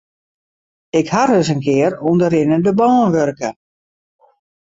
Ik ha ris in kear oan de rinnende bân wurke.